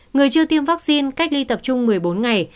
người chưa tiêm vaccine cách ly tập trung một mươi bốn ngày